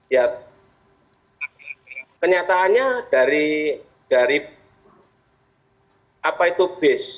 ya kenyataannya dari apa itu base